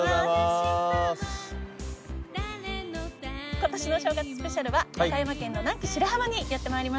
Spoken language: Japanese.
今年の正月スペシャルは和歌山県の南紀白浜にやってまいりました。